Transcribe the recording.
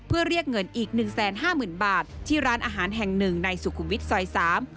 เพื่อเรียกเงินอีกหนึ่งแสนห้าหมื่นบาทที่ร้านอาหารแห่งหนึ่งในสุขุมวิทย์ซอยสาม